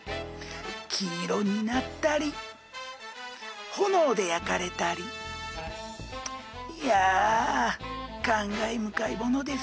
黄色になったり炎で焼かれたりいや感慨深いものです。